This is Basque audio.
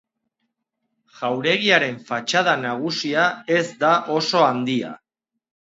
Jauregiaren fatxada nagusia ez da oso handia.